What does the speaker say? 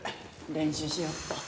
練習しよっと。